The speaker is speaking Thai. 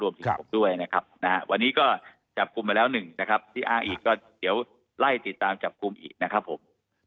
ถึงผมด้วยนะครับนะฮะวันนี้ก็จับกลุ่มไปแล้วหนึ่งนะครับที่อ้างอีกก็เดี๋ยวไล่ติดตามจับกลุ่มอีกนะครับผม